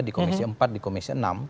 di komisi empat di komisi enam